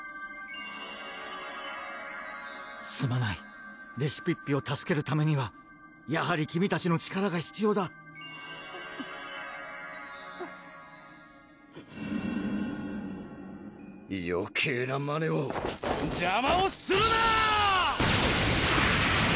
すまないレシピッピを助けるためにはやはり君たちの力が必要だよけいなまねを邪魔をするな！